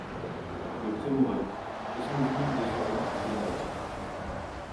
Le Prémourey, soixante-dix mille deux cent vingt Fougerolles